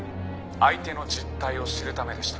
「相手の実態を知るためでした」